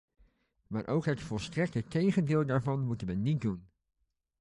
Maar ook het volstrekte tegendeel daarvan moeten we niet doen.